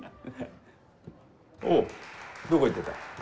おうどこ行ってた？